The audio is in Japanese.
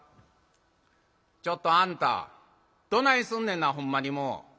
「ちょっとあんたどないすんねんなほんまにもう」。